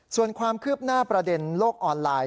ส่วนความคืบหน้าประเด็นโลกออนไลน์